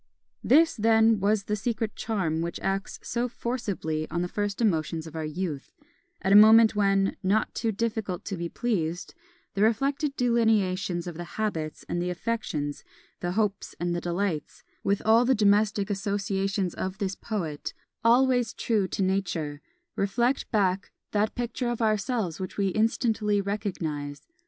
This, then, is the secret charm which acts so forcibly on the first emotions of our youth, at a moment when, not too difficult to be pleased, the reflected delineations of the habits and the affections, the hopes and the delights, with all the domestic associations of this poet, always true to Nature, reflect back that picture of ourselves which we instantly recognise.